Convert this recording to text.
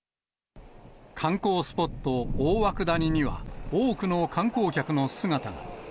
観光スポット、大涌谷には多くの観光客の姿が。